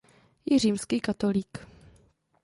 Je římský katolík.